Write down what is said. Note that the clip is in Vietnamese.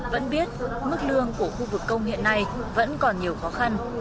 vẫn biết mức lương của khu vực công hiện nay vẫn còn nhiều khó khăn